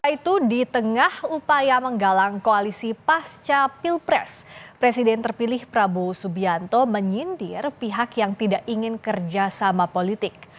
itu di tengah upaya menggalang koalisi pasca pilpres presiden terpilih prabowo subianto menyindir pihak yang tidak ingin kerjasama politik